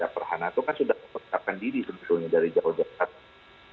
perhana itu kan sudah mempersiapkan diri sebetulnya dari jauh jauh